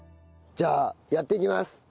じゃあやっていきます。